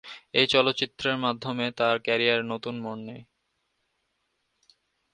এই চলচ্চিত্রের মাধ্যমে তার ক্যারিয়ার নতুন মোড় নেয়।